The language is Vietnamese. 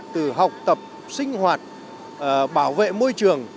từ học tập sinh hoạt bảo vệ môi trường